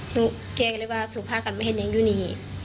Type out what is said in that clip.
หนูแก่กันเลยว่าถูกพากันไม่เห็นยังอยู่นี่